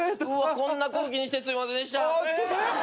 こんな空気にしてすいませんでした。